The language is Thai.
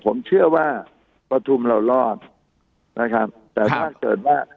ผมเชื่อว่าประทุมเรารอดนะครับแต่ถ้าเกิดว่า